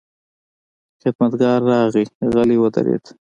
خدمتګار راغی، غلی ودرېد.